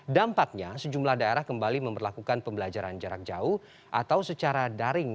dampaknya sejumlah daerah kembali memperlakukan pembelajaran jarak jauh atau secara daring